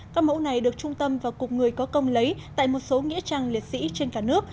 các mẫu này được trung tâm và cục người có công lấy tại một số nghĩa trang liệt sĩ trên cả nước